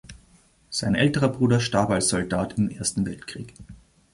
Sein älterer Bruder starb als Soldat im Ersten Weltkrieg.